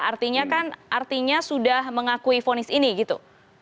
artinya kan artinya sudah mengakui fonis ini gitu